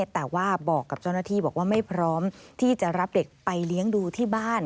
แต่ว่าบอกกับเจ้าหน้าที่บอกว่าไม่พร้อมที่จะรับเด็กไปเลี้ยงดูที่บ้าน